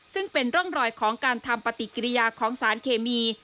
ซึ่งเป็นร่องรอยของการทำปฏิกิริยาของสารเคมี